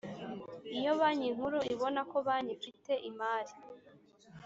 Iyo banki nkuru ibona ko banki ifite imari